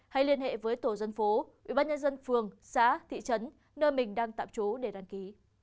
hãy liên hệ với tổ dân phố ủy ban nhân dân phường xã thị trấn nơi mình đang tạm trú để đăng ký